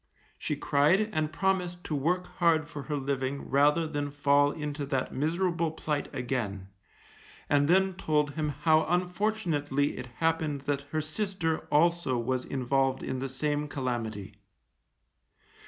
She cried and promised to work hard for her living rather than fall into that miserable plight again, and then told him how unfortunately it happened that her sister also was involved in the same calamity.